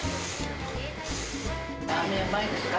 ラーメンうまいですか？